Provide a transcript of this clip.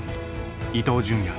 伊東純也